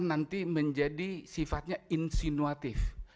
nanti menjadi sifatnya insinuatif